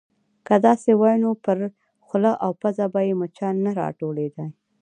_که داسې وای، نو پر خوله او پزه به يې مچان نه راټولېدای.